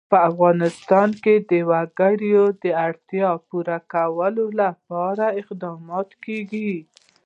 په افغانستان کې د وګړي د اړتیاوو پوره کولو لپاره اقدامات کېږي.